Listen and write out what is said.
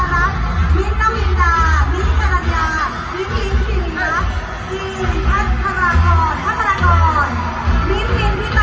และขอบคุณให้ทำน้องเจมส์มาแล้วก็สวัสดีค่ะ